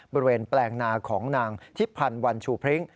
แปลงนาของนางทิพันธ์วันชูพริ้ง